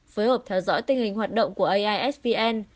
phối hợp theo dõi tình hình hoạt động của aisvn